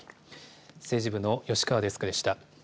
政治部の吉川デスクでした。